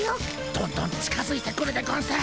どんどん近づいてくるでゴンス。